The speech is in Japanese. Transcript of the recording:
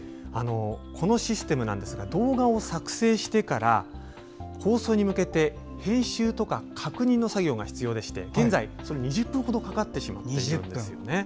このシステムなんですが動画を作成してから放送に向けて編集とか確認の作業が必要でして現在、２０分ほどかかってしまうんですね。